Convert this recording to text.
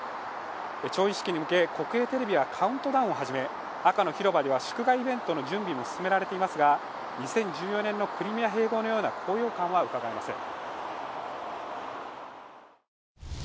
調印式に向け、国営テレビはカウントダウンを始め赤の広場では祝賀イベントの準備も進められていますが２０１４年のクリミア併合のような高揚感はうかがえません。